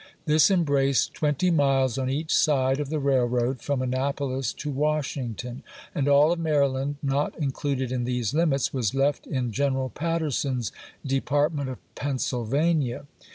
This embraced twenty miles on each side of the rail road from Annapolis to Washington ; and all of Maryland not included in these limits was left G^enS in Greneral Patterson's " Department of Pennsyl AvL2i!im. vania."